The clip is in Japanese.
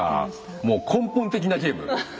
もう根本的なゲーム。